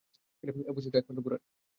এ বৈশিষ্ট্য একমাত্র ঘোড়ার।